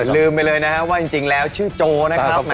ลืมไปเลยนะครับว่าจริงแล้วชื่อโจนะครับ